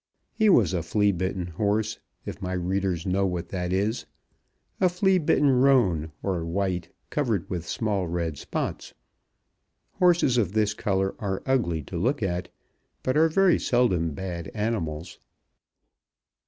He was a flea bitten horse, if my readers know what that is, a flea bitten roan, or white covered with small red spots. Horses of this colour are ugly to look at, but are very seldom bad animals.